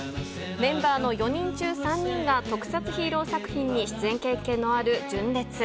メンバーの４人中３人が特撮ヒーロー作品に出演経験のある純烈。